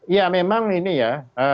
ya memang ini ya